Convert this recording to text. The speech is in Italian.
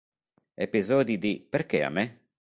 Episodi di Perché a me?